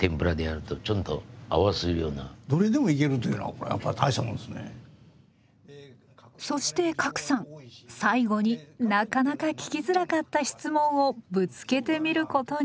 ここの酒っていうのはそして加来さん最後になかなか聞きづらかった質問をぶつけてみることに。